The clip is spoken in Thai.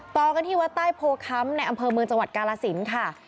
ต่อกันที่วัดใต้โพค้ำในอำเภอเมืองจังหวัดกาลสินค่ะ